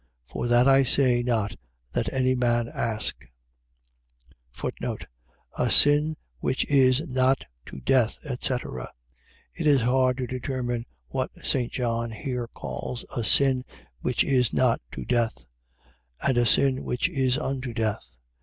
For that I say not that any man ask. A sin which is not to death, etc. . .It is hard to determine what St. John here calls a sin which is not to death, and a sin which is unto death.